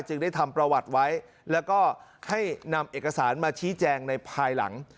ได้ทำประวัติไว้แล้วก็ให้นำเอกสารมาชี้แจงในภายหลัง